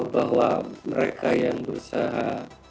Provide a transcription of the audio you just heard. bahwa mereka yang berusaha